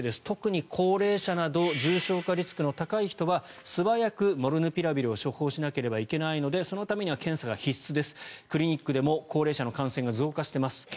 特に高齢者など重症化リスクの高い人は素早くモルヌピラビルを処方しなければいけないのでそのためには検査が必須ですクリニックでも高齢者の感染が増加しています。